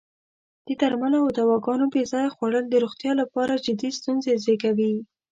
د درملو او دواګانو بې ځایه خوړل د روغتیا لپاره جدی ستونزې زېږوی.